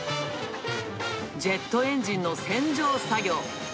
ジェットエンジンの洗浄作業。